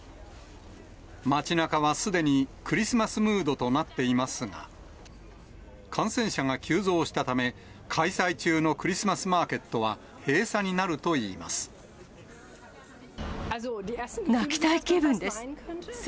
街なかはすでにクリスマスムードとなっていますが、感染者が急増したため、開催中のクリスマスマーケットは閉鎖になるといいます。